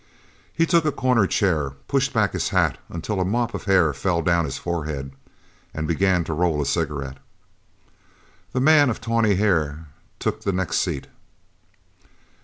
He took a corner chair, pushed back his hat until a mop of hair fell down his forehead, and began to roll a cigarette. The man of the tawny hair took the next seat.